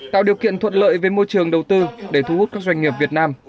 tạo điều kiện thuận lợi về môi trường đầu tư để thu hút các doanh nghiệp việt nam